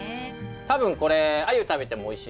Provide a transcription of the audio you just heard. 多分これ鮎食べてもおいしいですよ。